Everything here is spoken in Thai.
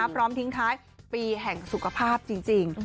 พร้อมทิ้งท้ายปีแห่งสุขภาพจริง